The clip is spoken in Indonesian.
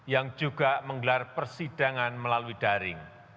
yang juga menggelar persidangan melalui daring